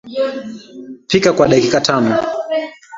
Pika kwa dakika tano